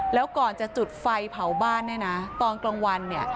แล้วก่อนจะจุดไฟเผาบ้านเนี่ยนะตอนกลางวันเนี่ย